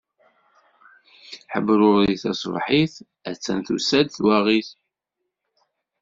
Ḥebruri taṣebḥit, a-tt-an tusa-d twaɣit.